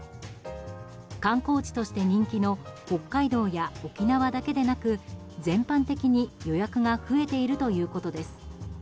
観光地として人気の北海道や沖縄だけでなく全般的に予約が増えているということです。